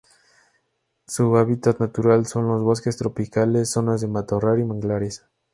Su hábitat natural son los bosques tropicales, zonas de matorral y manglares.